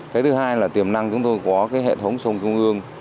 cái thứ hai là tiềm năng chúng tôi có cái hệ thống sông cung gương